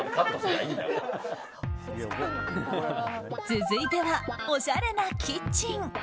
続いてはおしゃれなキッチン。